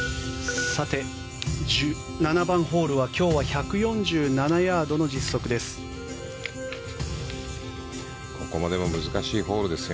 ７番ホールは今日は１４７ヤードの実測です。